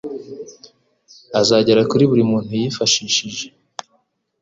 azagera kuri buri muntu, yifashishije